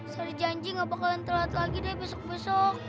sari janji gak bakalan telat lagi deh besok besok